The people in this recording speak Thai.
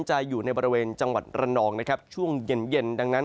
จะอยู่ในบริเวณจังหวัดระนองนะครับช่วงเย็นเย็นดังนั้น